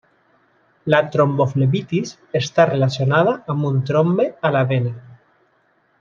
La tromboflebitis està relacionada amb un trombe a la vena.